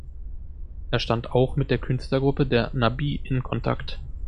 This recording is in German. Er stand auch mit der Künstlergruppe der Nabis in Kontakt.